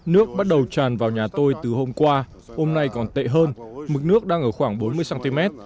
nước bắt đầu tràn vào nhà tôi từ hôm qua hôm nay còn tệ hơn mực nước đang ở khoảng bốn mươi cm